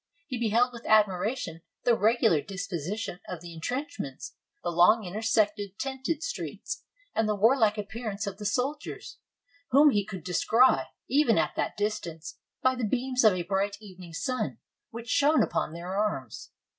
He beheld with admiration the regular disposition of the intrench ments, the long intersected tented streets, and the war like appearance of the soldiers, whom he could descry, even at that distance, by the beams of a bright evening sun which shone upon their arms.